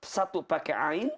satu pakai a'in